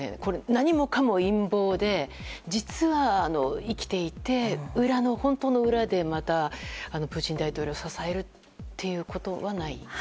何もかも陰謀で、実は生きていて裏の本当の裏でまたプーチン大統領を支えるということはない？